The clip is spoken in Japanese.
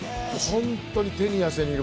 本当に手に汗握る。